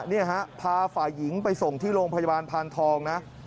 นี่ฮะพาฝ่ายหญิงไปส่งที่โรงพยาบาลพานทองนะ